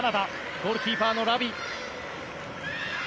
ゴールキーパーのラビ。